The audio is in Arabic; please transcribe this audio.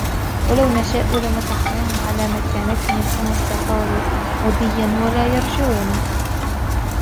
وَلَوْ نَشَاءُ لَمَسَخْنَاهُمْ عَلَى مَكَانَتِهِمْ فَمَا اسْتَطَاعُوا مُضِيًّا وَلَا يَرْجِعُونَ